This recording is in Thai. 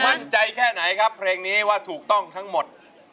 มั่นใจแค่ไหนครับเพลงนี้ว่าถูกต้องทั้งหมด